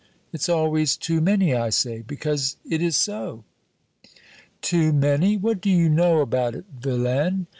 It's always too many, I say, because it is so." "Too many? What do you know about it, vilain?